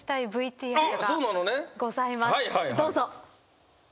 どうぞ。